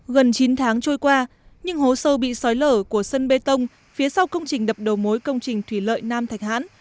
gần chín tháng trôi qua nhưng hố sâu bị xói lở của sân bê tông phía sau công trình đập đầu mối công trình thủy lợi nam thạch hãn